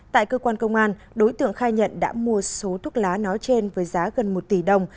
tại cơ quan công an đối tượng khai nhận đã mua số thuốc lá nói trên với giá gần một tỷ đồng